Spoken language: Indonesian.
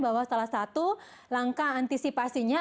bahwa salah satu langkah antisipasinya